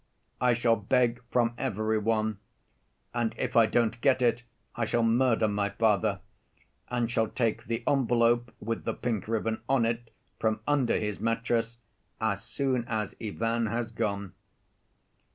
'I shall beg from every one, and if I don't get it I shall murder my father and shall take the envelope with the pink ribbon on it from under his mattress as soon as Ivan has gone.